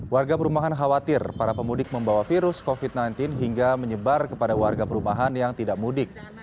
warga perumahan khawatir para pemudik membawa virus covid sembilan belas hingga menyebar kepada warga perumahan yang tidak mudik